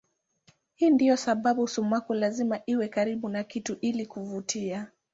Hii ndiyo sababu sumaku lazima iwe karibu na kitu ili kuvutia.